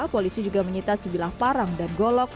polisi juga menyita sebilah parang dan golok